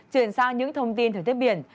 chuyển sang những thông tin thời tiết biển